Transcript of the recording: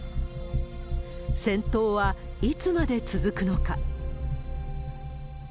戦闘はいつまで続くのか。